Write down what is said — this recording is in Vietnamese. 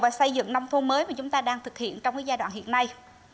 và xây dựng nông thôn mới mà chúng ta đang thực hiện trong giai đoạn hiện nay